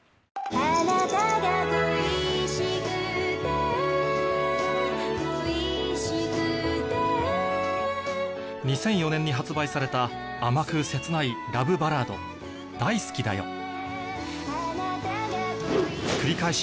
恋しくて２００４年に発売された甘く切ないラブバラード繰り返し